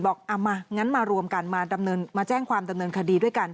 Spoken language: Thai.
เอามางั้นมารวมกันมาแจ้งความดำเนินคดีด้วยกัน